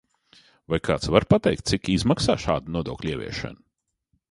Vai kāds var pateikt, cik izmaksā šāda nodokļa ieviešana?